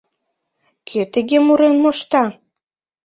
Кӧ тыге мурен мошта?